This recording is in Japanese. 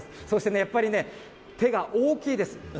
そしてね、やっぱりね、手が大きいです。